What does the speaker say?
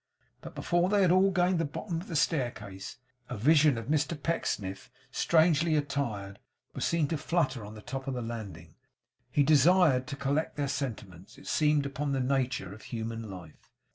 But before they had all gained the bottom of the staircase, a vision of Mr Pecksniff, strangely attired, was seen to flutter on the top landing. He desired to collect their sentiments, it seemed, upon the nature of human life.